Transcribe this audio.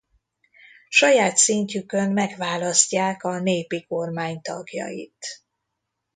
Saját szintjükön megválasztják a népi kormány tagjait.